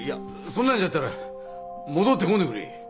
そんなんじゃったら戻って来んでくれ。